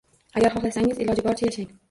Agar xohlasangiz, iloji boricha yashang.